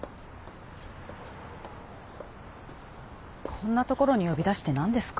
こんな所に呼び出して何ですか？